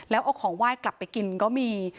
แล้วเอาของไหว้กลับไปกินก็มี